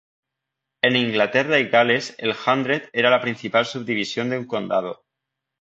En Inglaterra y Gales el "hundred" era la principal subdivisión de un condado.